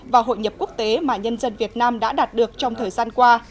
và hội nhập quốc tế mà nhân dân việt nam đã đạt được trong thời gian qua